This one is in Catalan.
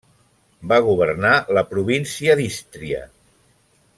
Va governar la província d'Ístria.